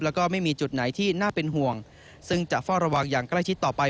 แล้วก็ไม่มีจุดไหนที่น่าเป็นห่วงซึ่งจะเฝ้าระวังอย่างใกล้ชิดต่อไป